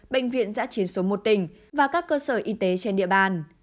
bệnh viện giã chiến số một tỉnh và các cơ sở y tế trên địa bàn